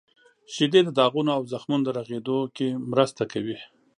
• شیدې د داغونو او زخمونو د رغیدو کې مرسته کوي.